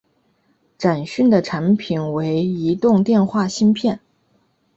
展讯的产品为移动电话芯片。